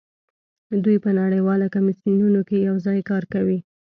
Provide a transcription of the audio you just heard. دوی په نړیوالو کمیسیونونو کې یوځای کار کوي